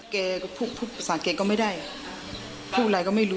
พี่ก็ไม่เห็นพูดภาษาเกรดก็ไม่ได้พูดอะไรก็ไม่รู้